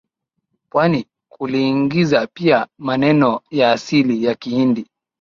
pwani kuliingiza pia maneno ya asili ya Kihindi